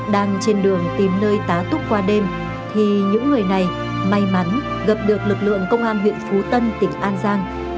đang trên đường tìm nơi tá túc qua đêm thì những người này may mắn gặp được lực lượng công an huyện phú tân tỉnh an giang